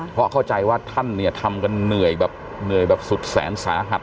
เพราะเข้าใจว่าท่านทำกันเหนื่อยแบบสุดแสนสาหัส